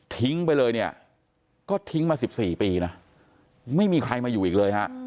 ทิ้งไปเลยเนี่ยก็ทิ้งมา๑๔ปีนะไม่มีใครมาอยู่อีกเลยฮะ